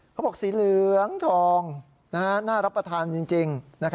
เขาบอกสีเหลืองทองน่ารับประทานจริง